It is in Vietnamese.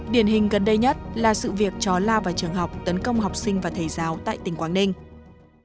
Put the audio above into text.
điển hình gần đây nhất là sự việc chó lao vào trường học tấn công học sinh và thầy giáo tại tỉnh quảng ninh